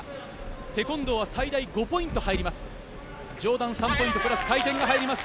テコンドーは最大５ポイント入ります。